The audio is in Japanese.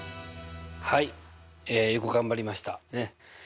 はいよく頑張りました。